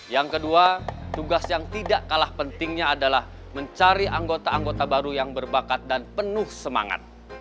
yang kedua tugas yang tidak kalah pentingnya adalah mencari anggota anggota baru yang berbakat dan penuh semangat